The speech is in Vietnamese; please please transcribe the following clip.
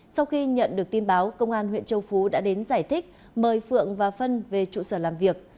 sau khi nhận được tin báo công an huyện châu phú đã đến giải thích mời phượng và phân về trụ sở làm việc